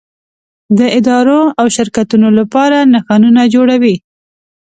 د ادارو او شرکتونو لپاره نښانونه جوړوي.